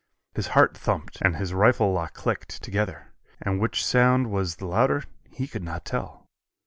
His heart thumped and his rifle lock clicked, together, and which sound was the louder he could not tell.